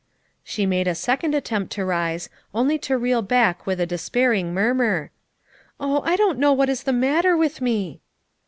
She made a second attempt to rise, only to reel back with a despairing murmur: "Oh, I don't know what is the matter with me."